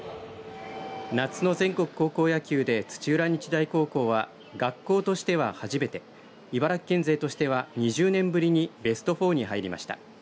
夏の全国高校野球で土浦日大高校は学校としては初めて茨城県勢としては２０年ぶりにベストフォーに入りました。